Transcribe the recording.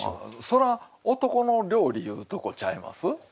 そら「男の料理」いうとこちゃいます？